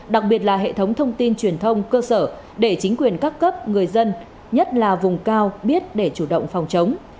đặc biệt là hệ thống thông tin truyền thông cơ sở để chính quyền các cấp người dân nhất là vùng cao biết để chủ động phòng chống